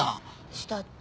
したって。